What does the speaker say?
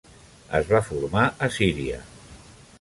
Es va formar a Síria.